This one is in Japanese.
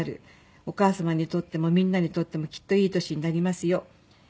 「お母様にとってもみんなにとってもきっといい年になりますよ」